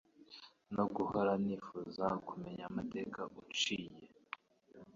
no guhora nifuza kumenya amateka uciye